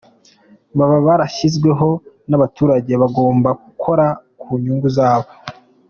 Baba barashyizweho n’abaturage bagomba kukora ku nyungu zabo.